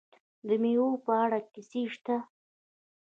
د میوو په اړه کیسې شته.